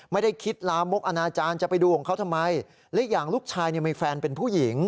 ไม่ได้คิดลามกอนาจารย์จะไปดูของเขาทำไมและอีกอย่างลูกชายเนี่ยมีแฟนเป็นผู้หญิง